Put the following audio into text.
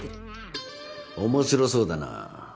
面白そうだな。